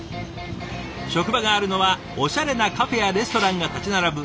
職場があるのはおしゃれなカフェやレストランが立ち並ぶ